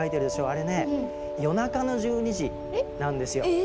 あれね夜中の１２時なんですよ。え？